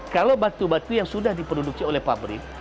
kalau batu batu yang sudah diproduksi oleh pabrik